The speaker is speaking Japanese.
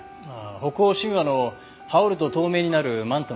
北欧神話の羽織ると透明になるマントの事だそうです。